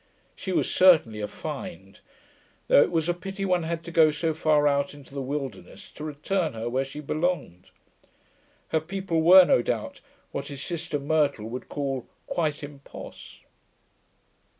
She was certainly a find, though it was a pity one had to go so far out into the wilderness to return her where she belonged. Her people were, no doubt, what his sister Myrtle would call quite imposs.